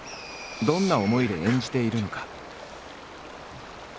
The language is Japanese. どんな思いで演じているのか？